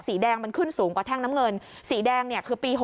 สีแดงมันขึ้นสูงกว่าแท่งน้ำเงินสีแดงเนี่ยคือปี๖๐